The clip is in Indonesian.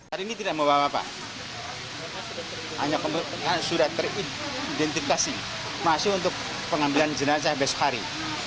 hanya sudah teridentifikasi masih untuk pengambilan jenasa besok hari